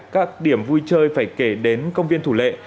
các điểm vui chơi phải kể đến công viên thủ lệ